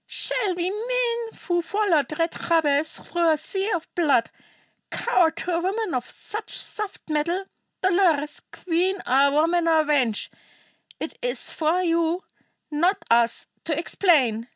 Shall we, men who followed Red Jabez through a sea of blood, cower to a woman of such soft mettle? Dolores, queen or woman or wench, it is for you, not us, to explain.